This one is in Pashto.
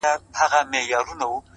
دې يوه لمن ښكلا په غېږ كي ايښې ده،